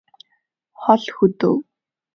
хол хөдөө